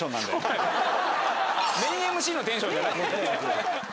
メインＭＣのテンションじゃないほんとに。